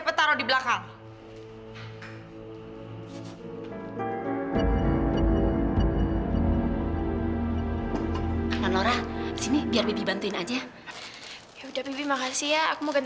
hey apa yang kamu lakukan